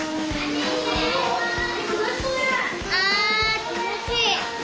あ気持ちいい！